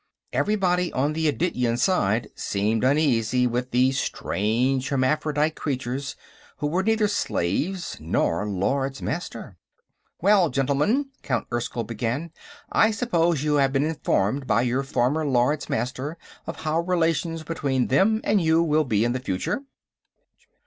Everybody on the Adityan side seemed uneasy with these strange hermaphrodite creatures who were neither slaves nor Lords Master. "Well, gentlemen," Count Erskyll began, "I suppose you have been informed by your former Lords Master of how relations between them and you will be in the future?"